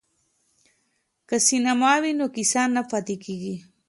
که سینما وي نو کیسه نه پاتیږي.